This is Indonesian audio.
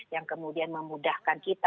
yang kemudian memudahkan kita